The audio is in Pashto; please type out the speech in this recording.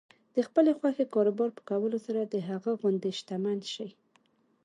د خپلې خوښې کار په کولو سره د هغه غوندې شتمن شئ.